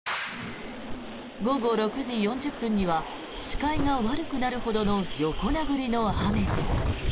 午後６時４０分には視界が悪くなるほどの横殴りの雨が。